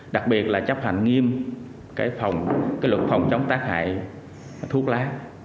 đặc biệt là chấp hành nghiêm luật phòng chống tác hại thuốc lá